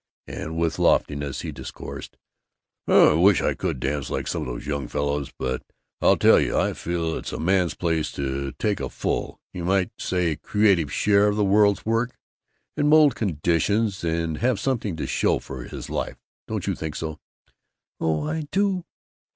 and with loftiness he discoursed: "I wish I could dance like some of these young fellows, but I'll tell you: I feel it's a man's place to take a full, you might say, a creative share in the world's work and mold conditions and have something to show for his life, don't you think so?" "Oh, I do!"